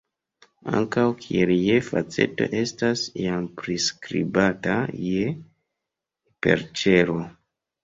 Ankaŭ, kiel "j"-faceto estas iam priskribata "j"-hiperĉelo.